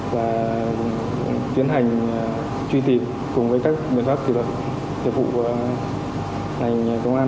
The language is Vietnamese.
và tiến hành truy tìm cùng với các biện pháp kỹ thuật hiệp vụ của ngành công an